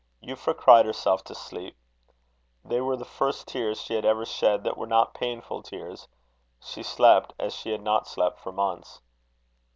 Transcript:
Euphra cried herself to sleep. They were the first tears she had ever shed that were not painful tears. She slept as she had not slept for months.